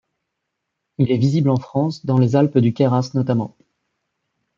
Il est visible en France dans les Alpes du Queyras notamment.